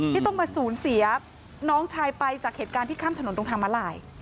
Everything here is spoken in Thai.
ที่ต้องมาสูญเสียน้องชายไปจากเหตุการณ์ที่ข้ามถนนตรงทางมาลาย